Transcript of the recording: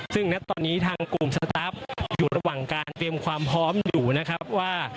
ซึ่งณตอนนี้ทางกลุ่มสตาฟอยู่ระหว่างการเตรียมความพร้อมอยู่นะครับว่า